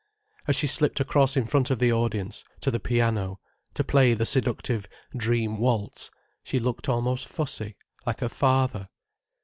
As she slipped across in front of the audience, to the piano, to play the seductive "Dream Waltz!" she looked almost fussy, like her father.